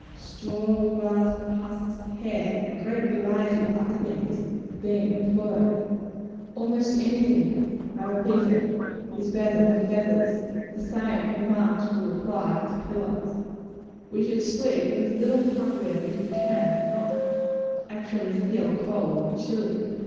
Straw, grass, husks, hair, and a great variety of other things, have been employed. Almost any thing I repeat it is better than feathers. The same remarks will apply to pillows. We should sleep with as little covering as we can, and not actually feel cold and chilly.